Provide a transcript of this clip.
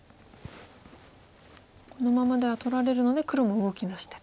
このままでは取られるので黒も動きだしてと。